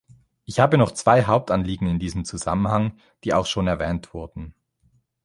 Ich habe noch zwei Hauptanliegen in diesem Zusammenhang, die auch schon erwähnt wurden.